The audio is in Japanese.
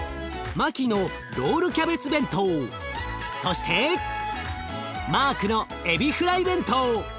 マキのロールキャベツ弁当そしてマークのえびフライ弁当。